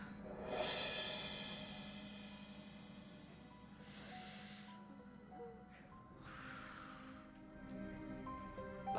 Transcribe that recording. aduh musti gimana